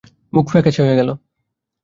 মুখ ফ্যাকাশে হয়ে গেল।